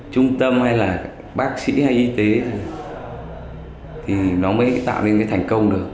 trung tâm hay là bác sĩ hay y tế thì nó mới tạo nên cái thành công được